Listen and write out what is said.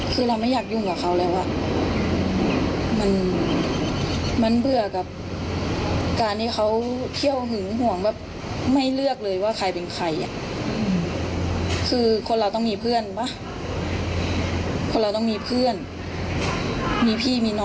ก็ไม่ทำแล้วพอเราโทรหาตำรวจเขาก็เลยวิ่งหนีไป